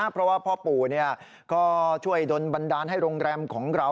เพราะว่าพ่อปู่ก็ช่วยดนบันดาลให้โรงแรมของเรา